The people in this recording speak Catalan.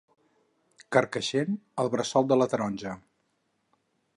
Carcaixent, el bressol de la taronja.